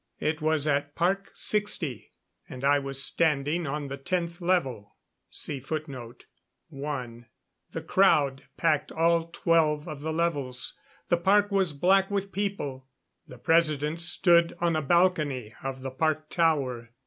It was at Park Sixty, and I was standing on the Tenth Level. The crowd packed all twelve of the levels; the park was black with people. The President stood on a balcony of the park tower.